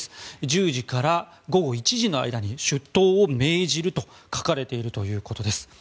１０時から午後１時の間に出頭を命じると書かれているということです。